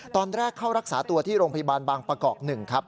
ตอนแรกเข้ารักษาตัวที่โรงพยาบาลบางประกอบ๑ครับ